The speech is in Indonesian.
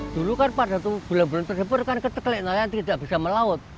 dulu kan pada tuh gula gula tersebut kan ketekelik nelayan tidak bisa melawat